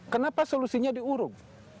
kenapa solusinya diuruk